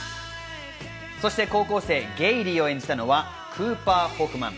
そして、高校生ゲイリーを演じたのはクーパー・ホフマン。